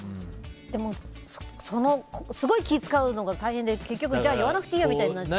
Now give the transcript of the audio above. でも、すごい気を遣うのが大変で結局、じゃあ言わなくていいやみたいになっちゃう。